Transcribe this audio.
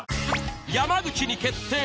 山口に決定！